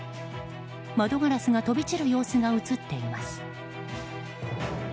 窓ガラスが飛び散る様子が映っています。